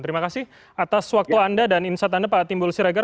terima kasih atas waktu anda dan insight anda pak timbul siregar